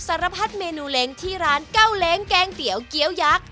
สารพัดเมนูเล้งที่ร้านเก้าเล้งแกงเตี๋ยวเกี้ยวยักษ์